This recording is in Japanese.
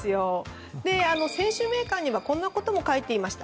選手名鑑にはこんなことも書いてありました。